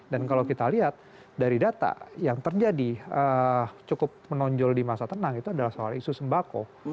dan kalau kita lihat dari data yang terjadi cukup menonjol di masa tenang itu adalah soal isu sembako